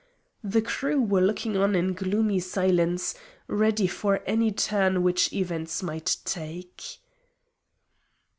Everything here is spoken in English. The crew were looking on in gloomy silence, ready for any turn which events might take.